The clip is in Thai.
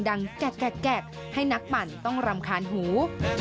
แกะให้นักปั่นต้องรำคาญหู